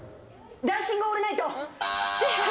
『ダンシング・オールナイト』！